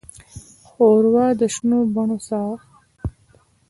ښوروا د شنو بڼو ساه ده.